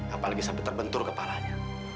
apalagi sampai terbentur kepalanya